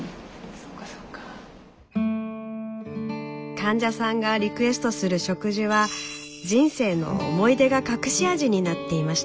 患者さんがリクエストする食事は人生の思い出が隠し味になっていました。